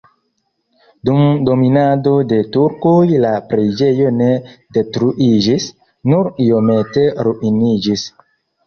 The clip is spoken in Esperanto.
Dum dominado de turkoj la preĝejo ne detruiĝis, nur iomete ruiniĝis.